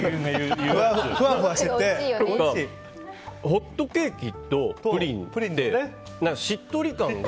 ホットケーキとプリンってしっとり感が。